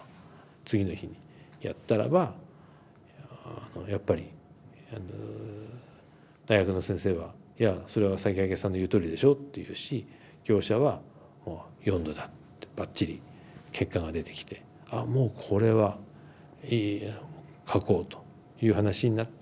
次の日やったらばやっぱり大学の先生は「いやそれは魁さんの言うとおりでしょ」って言うし業者は「４°だ」ってばっちり結果が出てきて「あもうこれはやろう書こう」という話になって。